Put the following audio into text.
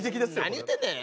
何言うてんねん。